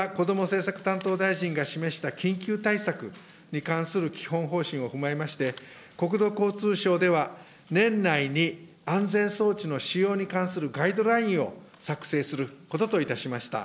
政策担当大臣が示した緊急対策に関する基本方針を踏まえまして、国土交通省では、年内に安全装置の使用に関するガイドラインを作成することといたしました。